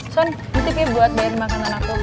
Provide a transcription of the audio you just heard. son di tv buat bayarin makanan aku